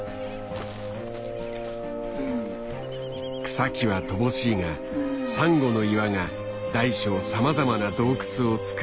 草木は乏しいがサンゴの岩が大小さまざまな洞窟をつくっている。